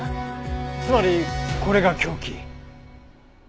つまりこれが凶器。